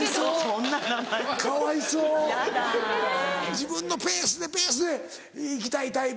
自分のペースでペースで行きたいタイプ。